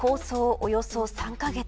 およそ３カ月。